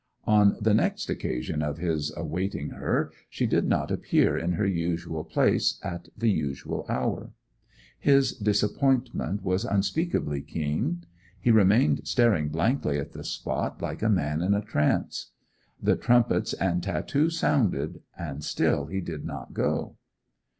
On the next occasion of his awaiting her she did not appear in her usual place at the usual hour. His disappointment was unspeakably keen; he remained staring blankly at the spot, like a man in a trance. The trumpets and tattoo sounded, and still he did not go.